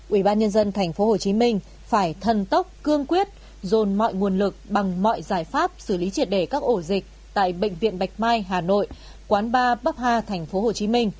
ubnd tp hcm phải thân tốc cương quyết dồn mọi nguồn lực bằng mọi giải pháp xử lý triệt để các ổ dịch tại bệnh viện bạch mai hà nội quán ba bắc hà tp hcm